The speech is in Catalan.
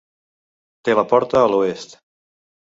Té la porta a l'oest.